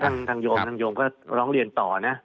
ทางโยมที่อยู่ที่คอนโดก็จะร้องเรียนต่อ